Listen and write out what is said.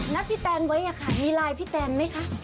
พี่แตนไว้อะค่ะมีไลน์พี่แตนไหมคะ